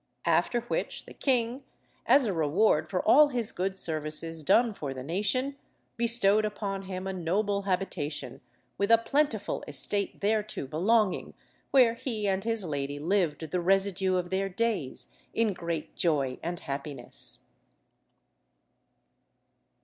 After which the king, as a reward for all his good services done for the nation, bestowed upon him a noble habitation with a plentiful estate thereto belonging, where he and his lady lived the residue of their days in great joy and happiness.